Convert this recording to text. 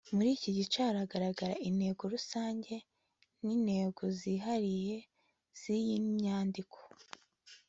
Muri iki gice haragaragara intego rusange n intego zihariye z iyi nyandiko